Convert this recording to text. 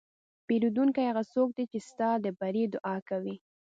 پیرودونکی هغه څوک دی چې ستا د بری دعا کوي.